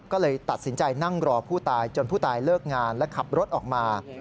ก็เลยตัดสินใจนั่งรอผู้ตายจนผู้ตายเลิกงานและขับรถออกมา